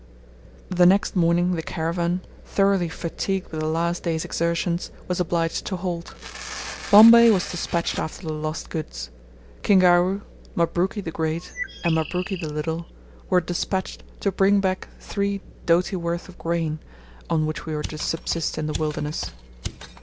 The next morning the caravan, thoroughly fatigued with the last day's exertions, was obliged to halt. Bombay was despatched after the lost goods; Kingaru, Mabruki the Great, and Mabruki the Little were despatched to bring back three doti worth of grain, on which we were to subsist in the wilderness.